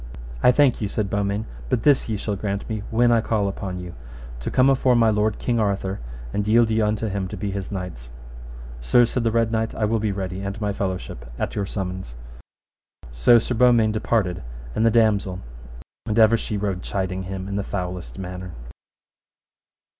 I thank you, said Beaumains, but this ye shall grant me: when I call upon you, to come afore my lord King Arthur, and yield you unto him to be his knights. Sir, said the Red Knight, I will be ready, and my fellowship, at your summons. So Sir Beaumains departed and the damosel, and ever she rode chiding him in the foulest manner.